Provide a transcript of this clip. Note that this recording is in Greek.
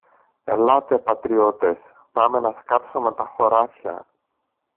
Ελάτε, πατριώτες, πάμε να σκάψομε τα χωράφια.